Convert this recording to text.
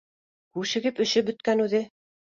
Күшегеп өшөп бөткән үҙе